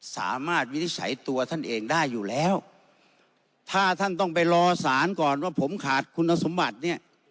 วินิจฉัยตัวท่านเองได้อยู่แล้วถ้าท่านต้องไปรอสารก่อนว่าผมขาดคุณสมบัติเนี่ย